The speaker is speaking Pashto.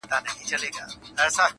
د هغه قام به خاوري په سر وي -